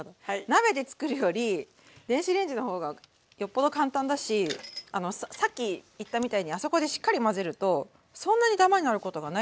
鍋で作るより電子レンジの方がよっぽど簡単だしさっき言ったみたいにあそこでしっかり混ぜるとそんなにダマになることがないんですよ